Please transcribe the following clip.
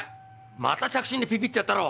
また着信でピピッてやったろ？